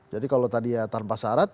jadi kalau tadi ya tanpa syarat